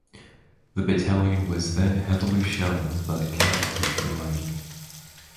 The battalion was then heavily shelled but casualties were light.